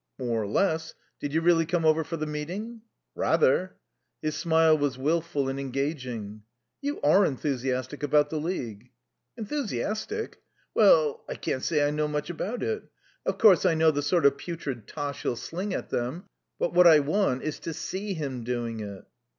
"More or less. Did you really come over for the meeting?" "Rather." His smile was wilful and engaging. "You are enthusiastic about the League." "Enthusiastic? We ell, I can't say I know much about it. Of course, I know the sort of putrid tosh he'll sling at them, but what I want is to see him doing it."